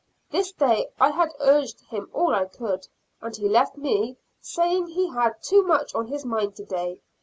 This day I had urged him all I could, and he left me, saying he had too much on his mind today.